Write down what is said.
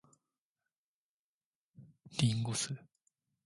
林檎酢